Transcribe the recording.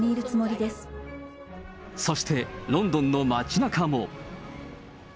そして、ロンドンの街なかも。